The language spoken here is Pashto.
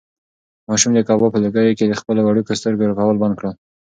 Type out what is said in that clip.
ماشوم د کباب په لوګیو کې د خپلو وړوکو سترګو رپول بند کړل.